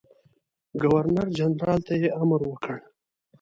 ګورنرجنرال ته یې امر وکړ.